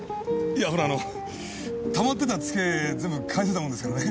いやほらあのたまってたツケ全部返せたもんですからね